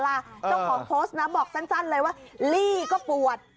เจ้าของโพสต์นะบอกสั้นเลยว่าลี่ก็ปวด